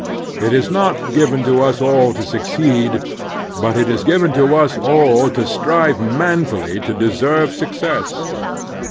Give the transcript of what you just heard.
It is not given to us all to succeed, but it is given to us all to strive manfully to deserve success.